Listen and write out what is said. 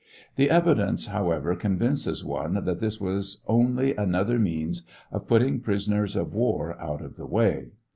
The evidence, however, convinces one that this was only another means of putting prisoners of war out of the way.